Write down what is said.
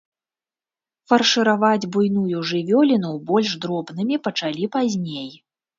Фаршыраваць буйную жывёліну больш дробнымі пачалі пазней.